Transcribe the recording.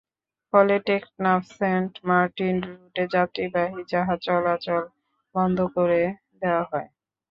ফলে টেকনাফ-সেন্ট মার্টিন রুটে যাত্রীবাহী জাহাজ চলাচল বন্ধ করে দেওয়া হয়।